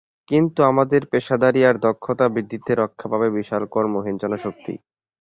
কিন্তু আমাদের পেশাদারি আর দক্ষতা বৃদ্ধিতে রক্ষা পাবে বিশাল কর্মহীন জনশক্তি।